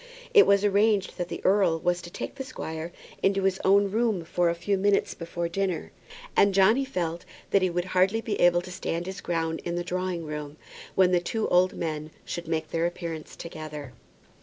It was arranged that the earl was to take the squire into his own room for a few minutes before dinner, and Johnny felt that he would be hardly able to stand his ground in the drawing room when the two old men should make their appearance together.